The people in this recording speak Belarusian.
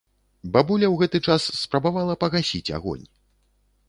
Бабуля ў гэты час спрабавала пагасіць агонь.